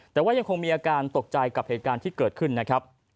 แต่ว่ายังคงมีอาการตกใจกับเหตุการณ์ที่เกิดขึ้นนะครับ